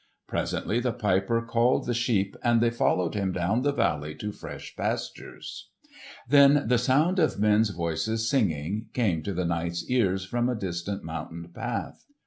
Presently the piper called the sheep and they followed him down the valley to fresh pastures. Then the sound of men's voices singing came to the knight's ears from a distant mountain path.